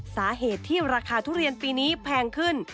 สาเหตุที่ราคาทุเรียนปีนี้แพงขึ้น